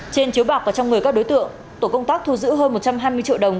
trên chiếu bạc và trong người các đối tượng tổ công tác thu giữ hơn một trăm hai mươi triệu đồng